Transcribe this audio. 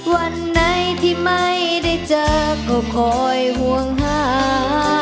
วันไหนที่ไม่ได้เจอก็คอยห่วงหา